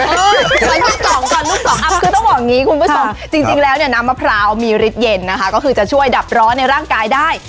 อ๋อลูก๒ก่อนลูก๒อะคือต้องบอกงี้คุณผู้ชมจริงแล้วน้ำมะพร้าวมีลิตเย็นนะคะก็คือจะช่วยดับร้อนในร่างกายได้